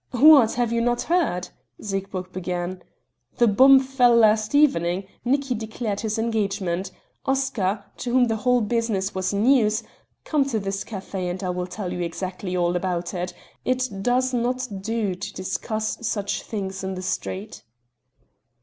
"What, have you not heard?" Siegburg began; "the bomb fell last evening; Nicki declared his engagement. Oscar, to whom the whole business was news ... come into this café and I will tell you exactly all about it; it does not do to discuss such things in the street."